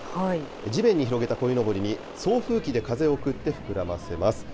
地面に広げたこいのぼりに送風機で風を送って膨らませます。